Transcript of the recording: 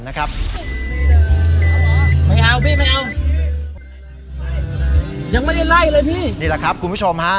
นี่แล้วครับคุณผู้ชมฮะ